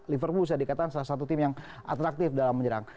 liverpool saya dikatakan salah satu tim yang atraktif dalam menyerang